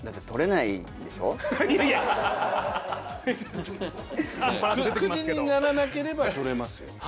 いやいやくじにならなければ取れますよ。